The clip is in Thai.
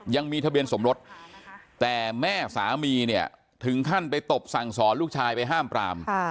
ยังมีทะเบียนสมรสแต่แม่สามีเนี่ยถึงขั้นไปตบสั่งสอนลูกชายไปห้ามปราม